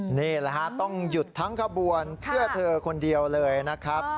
นี่แหละฮะต้องหยุดทั้งขบวนเพื่อเธอคนเดียวเลยนะครับ